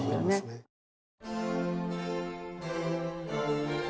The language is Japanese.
そうですよね。